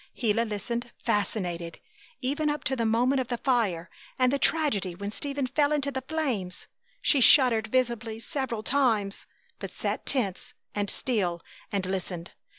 Gila listened, fascinated, even up to the moment of the fire and the tragedy when Stephen fell into the flames. She shuddered visibly several times, but sat tense and still and listened.